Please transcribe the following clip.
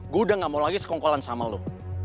gue udah gak mau lagi sekongkolan sama lo